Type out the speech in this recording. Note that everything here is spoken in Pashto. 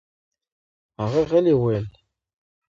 هغه غلې وویل: